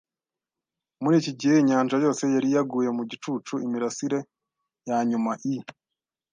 Muri iki gihe, inyanja yose yari yaguye mu gicucu - imirasire yanyuma, I.